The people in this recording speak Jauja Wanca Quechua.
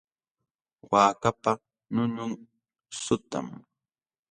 Waakapa ñuñun suqtam.